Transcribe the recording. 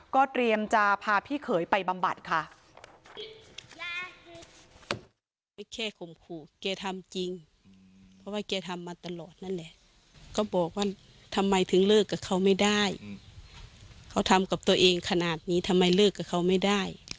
ก็เตรียมจะพาพี่เขยไปบำบัดค่ะ